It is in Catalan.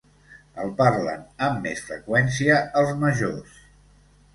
El parlen amb més freqüència els majors.